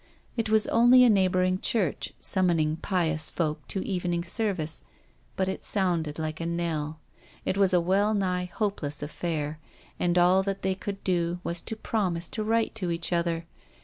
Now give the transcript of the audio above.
It was only a neighbouring church summoning pious folk to evening service, but it sounded like a knell. It was a well nigh hopeless affair, and all that they could do was to promise to write to each other.